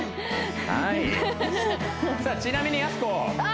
はいさあちなみにやす子ああ